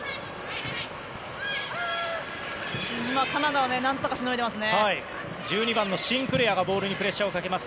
カナダは何とかしのいでいますね。